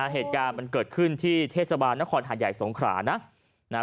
เหตุการณ์มันเกิดขึ้นที่เทศบาลนครหาดใหญ่สงขรานะ